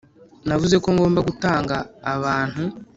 navuze ko ngomba gutanga abantu